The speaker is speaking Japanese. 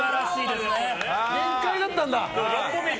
限界だったんだ。